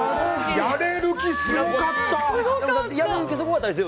やれる気、すごかった。